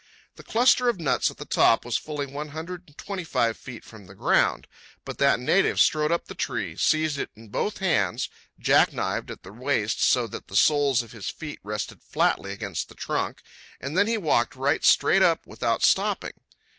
The cluster of nuts at the top was fully one hundred and twenty five feet from the ground, but that native strode up to the tree, seized it in both hands, jack knived at the waist so that the soles of his feet rested flatly against the trunk, and then he walked right straight up without stopping.